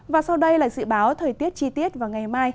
và sau đây là dự báo thời tiết chi tiết vào ngày mai